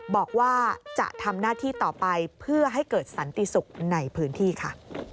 บอกว่าจะทำหน้าที่ต่อไปเพื่อให้เกิดสันติสุขในพื้นที่ค่ะ